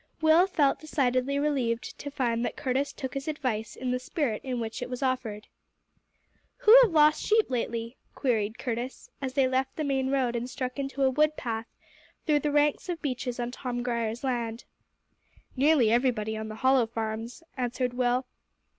Will felt decidedly relieved to find that Curtis took his advice in the spirit in which it was offered. "Who have lost sheep lately?" queried Curtis, as they left the main road and struck into a wood path through the ranks of beeches on Tom Grier's land. "Nearly everybody on the Hollow farms," answered Will.